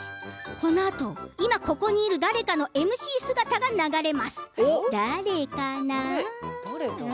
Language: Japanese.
このあと、今ここにいる誰かのＭＣ姿が流れます。